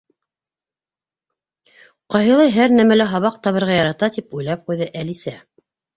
«Ҡайһылай һәр нәмәлә һабаҡ табырға ярата», —тип уйлап ҡуйҙы Әлисә.